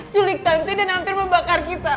culik tanti dan hampir membakar kita